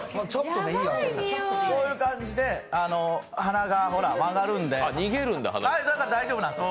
こういう感じで鼻が曲がるんで、大丈夫なんですよ。